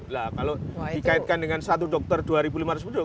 nah kalau dikaitkan dengan satu dokter dua lima ratus penduduk